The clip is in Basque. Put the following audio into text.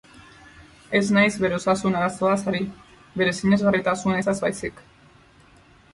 Ez naiz bere osasun arazoaz ari, bere sinesgarritasun ezaz baizik.